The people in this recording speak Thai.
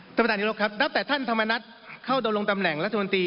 ท่านประธานนิรบครับนับแต่ท่านธรรมนัฐเข้าดำรงตำแหน่งรัฐมนตรี